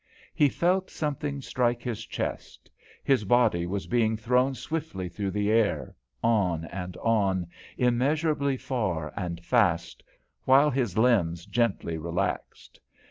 He felt something strike his chest, his body was being thrown swiftly through the air, on and on, immeasurably far and fast, while his limbs gently relaxed.